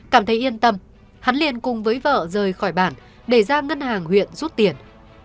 cảm thấy yên tâm hắn liền cùng với vợ rời khỏi bản để ra ngân hàng huyện rút tiền